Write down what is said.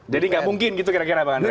jadi nggak mungkin gitu kira kira pak andre